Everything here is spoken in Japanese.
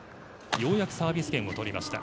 ようやくサービス権を取りました